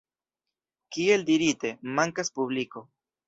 Kiel dirite, mankas publiko.